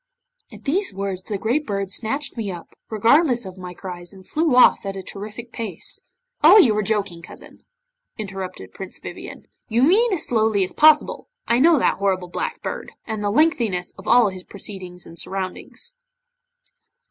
'At these words the great Bird snatched me up, regardless of my cries, and flew off at a terrific pace ' 'Oh! you are joking, cousin,' interrupted Prince Vivien; 'you mean as slowly as possible. I know that horrible Black Bird, and the lengthiness of all his proceedings and surroundings.